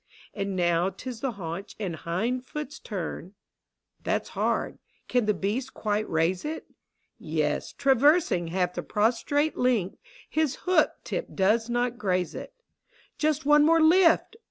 And now 'tis the haunch and hind foot's turn — That's hard : can the beast quite raise it ? Yes, traversing half the prostrate length, His hoof tip does not graze it. Just one more lift